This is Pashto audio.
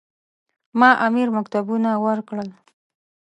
ما امیر مکتوبونه ورکړل.